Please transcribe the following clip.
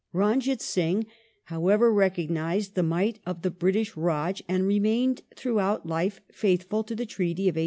Ranjit Singh, however, recognized the might of the British Rdj, and remained throughout life faithful to the treaty of 1809.